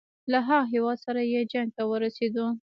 له هغه هیواد سره چې جنګ ته ورسېدو.